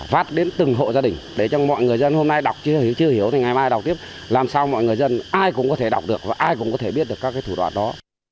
phát đến từng hộ gia đình để cho mọi người dân hôm nay đọc chưa hiểu thì ngày mai đọc tiếp làm sao mọi người dân ai cũng có thể đọc được và ai cũng có thể biết được các thủ đoạn đó